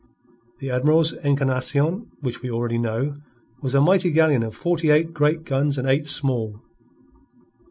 The Admiral's Encarnacion, which we already know, was a mighty galleon of forty eight great guns and eight small.